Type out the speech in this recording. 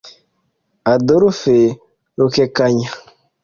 Adolphe Rukekanya